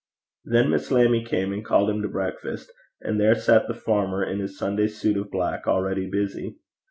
Then Miss Lammie came and called him to breakfast, and there sat the farmer in his Sunday suit of black, already busy.